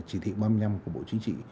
chỉ thị ba mươi năm của bộ chính trị